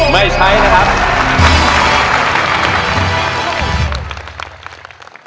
ไม่ใช้นะครับ